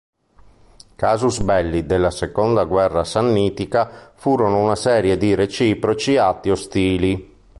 Casus belli della seconda guerra sannitica furono una serie di reciproci atti ostili.